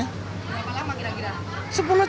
berapa lama kira kira